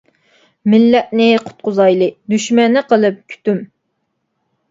مىللەتنى قۇتقۇزايلى، دۈشمەننى قىلىپ كۈتۈم!